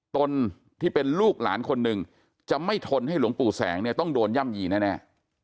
ตนที่เป็นลูกหลานคนหนึ่งจะไม่ทนให้หลวงปู่แสงเนี่ยต้องโดนย่ำยีแน่